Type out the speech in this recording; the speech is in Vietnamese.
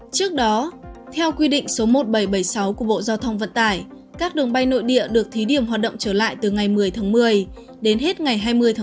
trước đó theo quy định số một nghìn bảy trăm bảy mươi sáu của bộ giao thông vận tải các đường bay nội địa được thí điểm hoạt động trở lại từ ngày một mươi tháng một mươi đến hết ngày hai mươi tháng một mươi